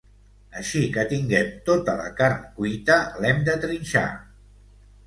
Així que tinguem tota la carn cuita, l’hem de trinxar.